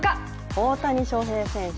大谷翔平選手。